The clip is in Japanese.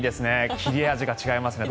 切れ味が違いますね。